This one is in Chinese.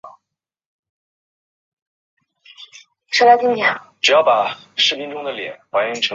现今所属经纪公司为民视凤凰艺能旗下艺人。